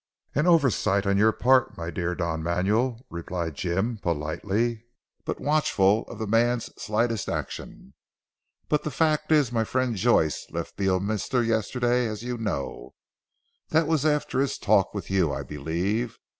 "An oversight on your part my dear Don Manuel," replied Jim politely but watchful of the man's slightest action, "but the fact is my friend Joyce left Beorminster yesterday as you know that was after his talk with you I believe.